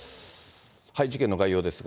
事件の概要ですが。